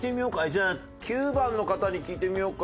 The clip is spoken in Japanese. じゃあ９番の方に聞いてみようか。